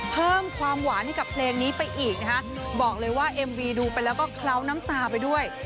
เพิ่มความหวานให้กับเพลงนี้ไปอีกนะคะบอกเลยว่าเอ็มวีดูไปแล้วก็เคล้าน้ำตาไปด้วย